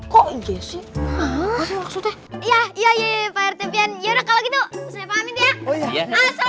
kok via ac vsedi halo what's up ya iya ya pak rt pian iya kalau gitu saya pabriknya